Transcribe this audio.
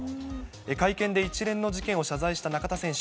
会見で一連の事件を謝罪した中田選手。